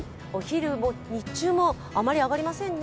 日中もあまり上がりませんね。